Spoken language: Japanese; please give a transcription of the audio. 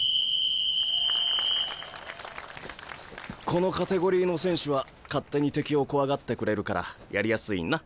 このカテゴリーの選手は勝手に敵を怖がってくれるからやりやすいな。